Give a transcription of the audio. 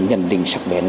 nhận định sắc bén